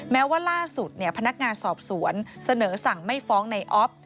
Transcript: แม้ว่าล่าสุดพนักงานสอบสวนเสนอสั่งไม่ฟ้องในออฟ